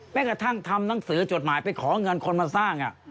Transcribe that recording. กระทั่งทำหนังสือจดหมายไปขอเงินคนมาสร้าง